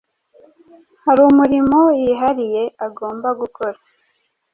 Hari umurimo yihariye agomba gukora.